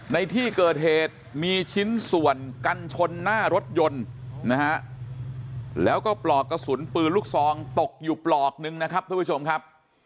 ในที่เกิดเหตุมีชิ้นส่วนกันชนหน้ารถยนต์นะฮะแล้วก็ปลอกกระสุนปืนลูกซองตกอยู่ปลอกนึงนะครับทุกผู้ชมครับ